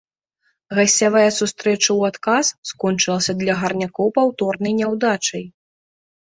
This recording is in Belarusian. Гасцявая сустрэча ў адказ скончылася для гарнякоў паўторнай няўдачай.